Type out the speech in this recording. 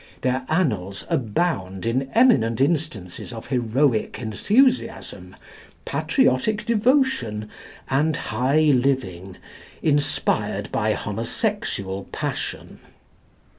Their annals abound in eminent instances of heroic enthusiasm, patriotic devotion, and high living, inspired by homosexual passion.